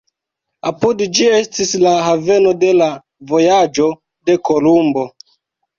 Apud ĝi estis la haveno de la vojaĝo de Kolumbo.